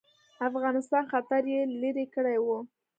افغانستان خطر یې لیري کړی وو.